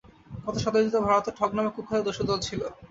গত শতাব্দীতে ভারতে ঠগ নামে কুখ্যাত দস্যুদল ছিল।